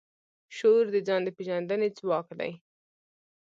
شعور د ځان د پېژندنې ځواک دی.